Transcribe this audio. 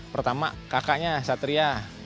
pertama kakaknya satria